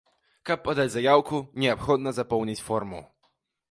Каб падаць заяўку, неабходна запоўніць форму.